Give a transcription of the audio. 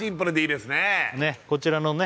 こちらのね